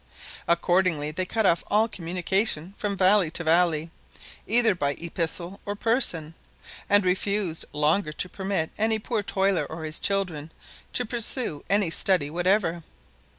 Accordingly they cut off all communication from valley to valley, either by epistle or person, and refused longer to permit any poor toiler, or his children, to pursue any study whatever.